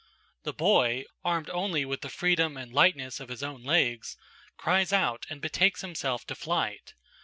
The boy, armed only with the freedom and lightness of his own legs, cries out and betakes himself to flight.